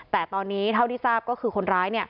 แต่ตอนนี้เท่าที่ทราบก็คือคนร้าย